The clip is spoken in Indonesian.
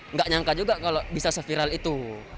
nggak nyangka juga kalau bisa se viral itu